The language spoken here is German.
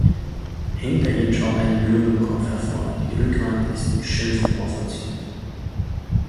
Hinter ihm schaut ein Löwenkopf hervor, die Rückwand ist mit Schilfrohr verziert.